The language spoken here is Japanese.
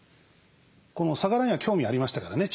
魚には興味ありましたからね